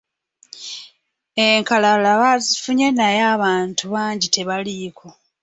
Enkalala baazifunye naye abantu bangi tebaliiko.